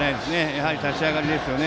やはり立ち上がりですね。